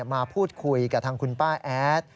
มาพูดคุยกับทางคุณป้าแอด